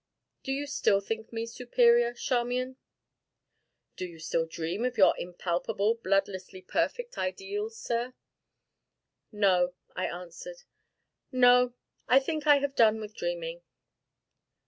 "Do you still think me 'superior,' Charmian?" "Do you still dream of your impalpable, bloodlessly perfect ideals, sir?" "No," I answered; "no, I think I have done with dreaming."